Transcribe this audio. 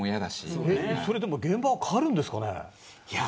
そういうの現場は変わるんですかね。